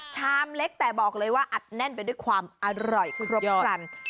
ชามเล็กแต่บอกเลยว่าอัดแน่นไปด้วยความอร่อยครบครัน